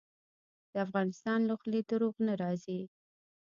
د افغان له خولې دروغ نه راځي.